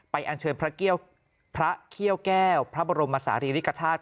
ไปอัญเชิญพระเกี่ยวแก้วพระบรมศาสตรีริกฐาสตร์